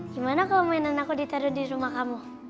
gimana kalau mainan aku ditaruh di rumah kamu